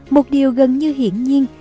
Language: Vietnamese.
một điều gần như hiển nhiên